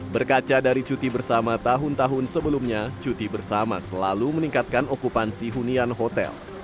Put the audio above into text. berkaca dari cuti bersama tahun tahun sebelumnya cuti bersama selalu meningkatkan okupansi hunian hotel